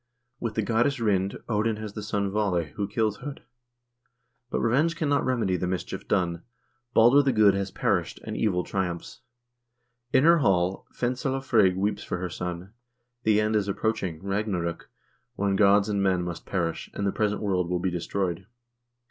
With the goddess Rind, Odin has the son Vaale, who kills H0d. But revenge cannot remedy the mischief done. Balder the Good has perished, and evil triumphs. In her hall Fensale Frigg weeps for her son ; the end is :■ approaching, Ragnarok,2 when gods and men must perish, and the present world will be destroyed.